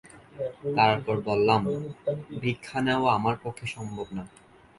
তারপর বললাম, ভিক্ষা নেওয়া আমার পক্ষে সম্ভব না।